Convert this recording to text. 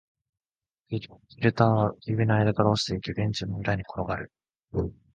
フィルターは指の間から落ちていき、ベンチの裏に転がる